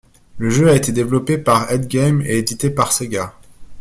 Le jeu a été développé par HeadGames et édité par Sega.